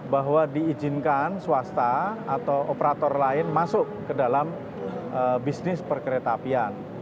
bahwa diizinkan swasta atau operator lain masuk ke dalam bisnis perkereta apian